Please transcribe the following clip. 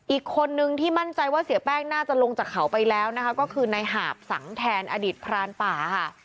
อีกคนนึงที่มั่นใจว่าเสียแป้งน่าจะลงจากเขาไปแล้วนะคะก็คือนายหาบสังแทนอดีตพรานป่าค่ะ